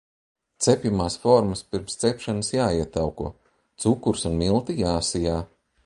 Cepjamās formas pirms cepšanas jāietauko, cukurs un milti jāsijā.